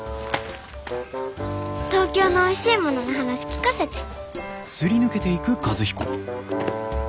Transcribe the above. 東京のおいしいものの話聞かせて。